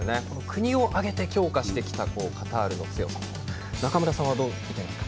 国を挙げて強化してきたカタールの強さ中村さんはどう見ますか？